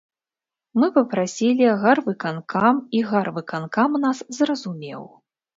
Мы папрасілі гарвыканкам, і гарвыканкам нас зразумеў.